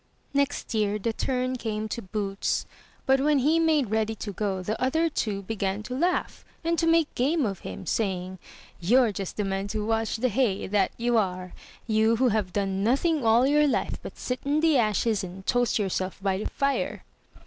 Next year the turn came to Boots; but when he made ready to go, the other two began to laugh, and to make game of him, saying, — "You're just the man to watch the hay, that you are; you who have done nothing all your life but sit in the ashes and toast yourself by the fire.'